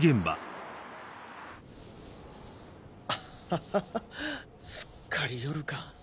アハハハすっかり夜か